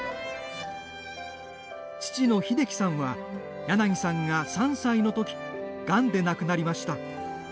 父の秀樹さんは柳さんが３歳のときがんで亡くなりました。